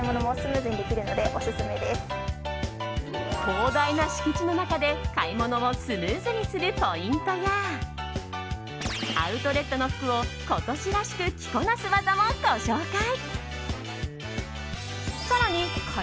広大な敷地の中で買い物をスムーズにするポイントやアウトレットの服を今年らしく着こなす技もご紹介。